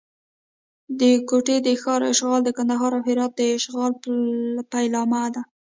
د کوټې د ښار اشغال د کندهار او هرات د اشغال پیلامه ده.